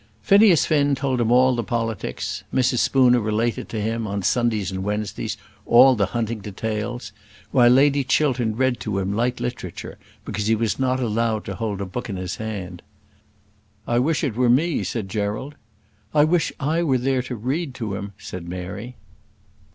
Phineas Finn told him all the politics; Mrs. Spooner related to him, on Sundays and Wednesdays, all the hunting details; while Lady Chiltern read to him light literature, because he was not allowed to hold a book in his hand. "I wish it were me," said Gerald. "I wish I were there to read to him," said Mary.